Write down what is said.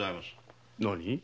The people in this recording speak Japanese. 何？